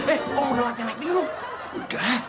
eh om udah latihan naik tinggi dong